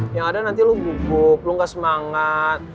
yang ada nanti lo bubuk lo ga semangat